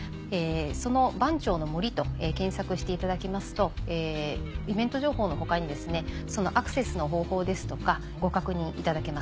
その「番町の森」と検索していただきますとイベント情報の他にそのアクセスの方法ですとかご確認いただけます。